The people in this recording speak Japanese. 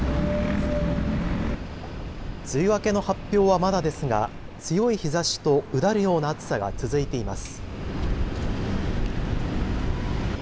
梅雨明けの発表はまだですが強い日ざしとうだるような暑さが続いています。